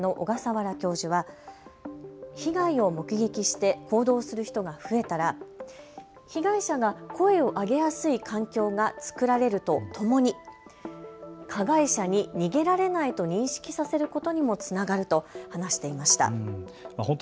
また警察庁で性犯罪の被害者支援に取り組んできた慶應大学の小笠原教授は被害を目撃して行動する人が増えたら被害者が声を上げやすい環境が作られるとともに加害者に逃げられないと認識させることにもつながると話していました。